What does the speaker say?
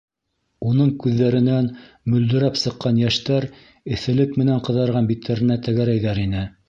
Уның күҙҙәренән мөлдөрәп сыҡҡан йәштәр эҫелек менән ҡыҙарған биттәренә тәгәрәйҙәр ине.